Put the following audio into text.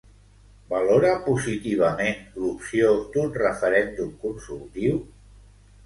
Valora positivament l'opció d'un referèndum consultiu?